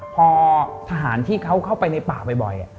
พอทหารที่เขาเข้าไปในป่าบ่อย